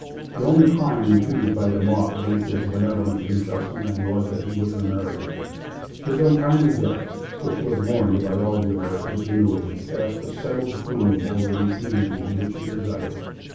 The only crime imputed by the mob against this benevolent and just man was, that he was an American. His untimely death, which was mourned by all the Americans who knew him, cast a settled gloom over the community in which he resided.